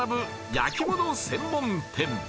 焼き物専門店